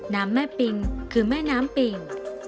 น้ำแม่ปิงคือแม่น้ำปิง